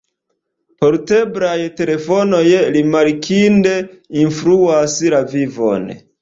Porteblaj telefonoj rimarkinde influas la vivon.